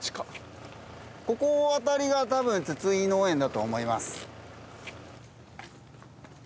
ここ辺りがたぶん筒井農園だと思います。